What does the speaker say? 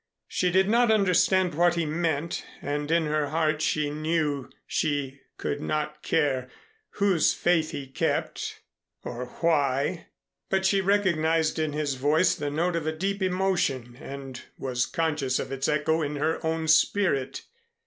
She did not understand what he meant, and in her heart she knew she could not care whose faith he kept, or why, but she recognized in his voice the note of a deep emotion, and was conscious of its echo in her own spirit.